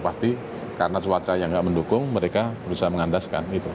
pasti karena cuaca yang nggak mendukung mereka berusaha mengandaskan